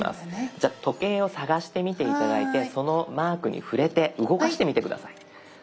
じゃあ時計を探してみて頂いてそのマークに触れて動かしてみて下さい。